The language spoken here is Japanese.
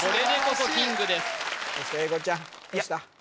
そして英孝ちゃんどうした？